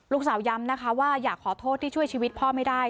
ย้ำนะคะว่าอยากขอโทษที่ช่วยชีวิตพ่อไม่ได้